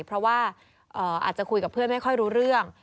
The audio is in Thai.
เพราะว่าอาจจะคุยกับเพื่อนไม่ค่อยรู้เรื่อง